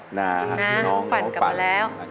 จริงคุณพี่น้องเราปั่นหลังจากปั่นกลับมาแล้ว